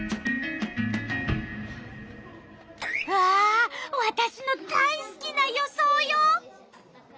わあわたしの大すきな予想よ！